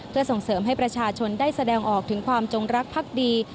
เพื่อส่งเสริมให้ประชาชนได้แสดงออกถึงความจงรักภักดี